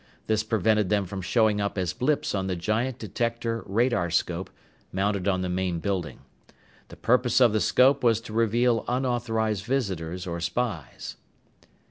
This prevented them from showing up as blips on the giant detector radarscope mounted on the main building. The purpose of the scope was to reveal unauthorized visitors or spies.